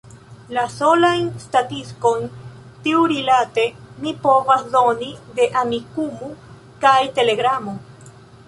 La solajn statistikojn tiurilate mi povas doni de Amikumu kaj Telegramo.